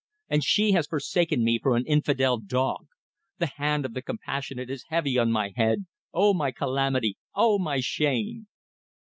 And she has forsaken me for an infidel dog. The hand of the Compassionate is heavy on my head! Oh, my calamity! Oh, my shame!"